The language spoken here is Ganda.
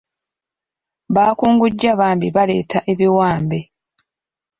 Baakungujja bambi baleeta ebiwambe.